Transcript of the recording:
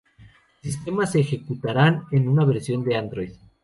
Los sistemas se ejecutarán en una versión de Android.